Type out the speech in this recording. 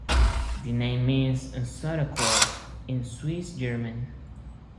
The name means "Santa Claus" in Swiss German.